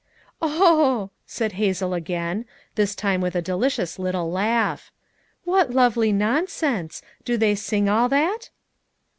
" "Oh!" said Hazel again, this time with a delicious little laugh. '£ What lovely nonsense ! Do they sing all that?"